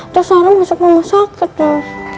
terus sarah masuk rumah sakit terus